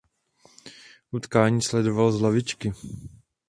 Utkání sledoval z lavičky.